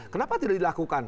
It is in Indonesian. kenapa tidak dilakukan